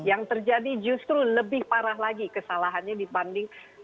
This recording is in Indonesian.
yang terjadi justru lebih parah lagi kesalahannya dibanding di amerika serikat